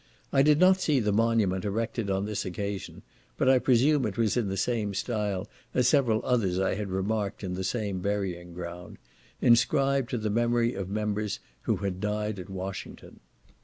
I did not see the monument erected on this occasion, but I presume it was in the same style as several others I had remarked in the same burying ground, inscribed to the memory of members who had died at Washington.